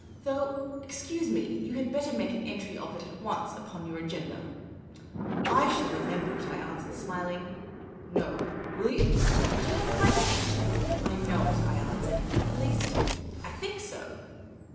Though, excuse me, you had better make an entry of it at once upon your agenda." " I shall remember it,*' I answered, smiling. " No ; will you ? But you have n't my name." *' I know it," I answered. " At least, I think so.